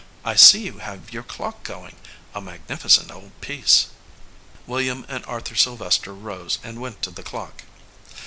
I see you have your clock going a magnificent old piece." William and Arthur Sylvester rose and went to the clock.